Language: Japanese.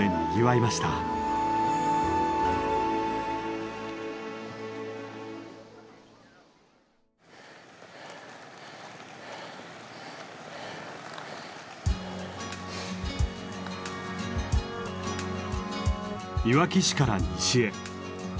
いわき市から西へ。